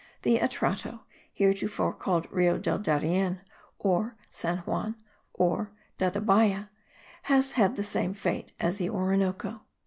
The Atrato, heretofore called Rio del Darien, de San Juan or Dabayba, has had the same fate as the Orinoco.